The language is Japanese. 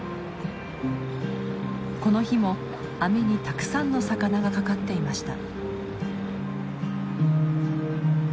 この日も網にたくさんの魚がかかっていました。